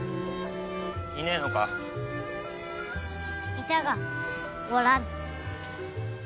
いたがおらぬ。